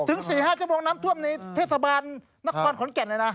๔๕ชั่วโมงน้ำท่วมในเทศบาลนครขอนแก่นเลยนะ